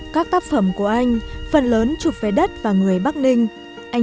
các tác phẩm của anh phần lớn chụp về đất và người bắc ninh